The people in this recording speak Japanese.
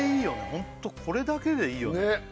ホントこれだけでいいよねねえ